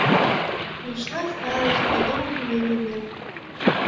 Прыйшла сталасць на доўгі яе век.